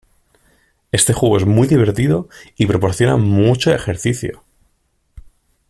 Este juego es muy divertido y proporciona mucho ejercicio.